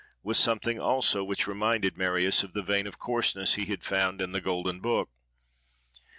with something also which reminded Marius of the vein of coarseness he had found in the "Golden Book."